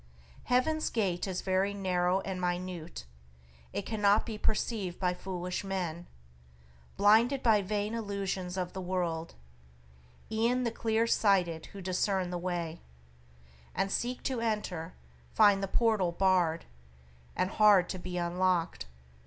"Heaven's gate is very narrow and minute, It cannot be perceived by foolish men Blinded by vain illusions of the world; E'en the clear sighted who discern the way, And seek to enter, find the portal barred, And hard to be unlocked.